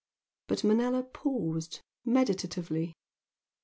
But Manella paused, meditatively.